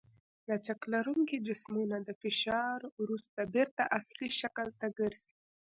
لچک لرونکي جسمونه د فشار وروسته بېرته اصلي شکل ته ګرځي.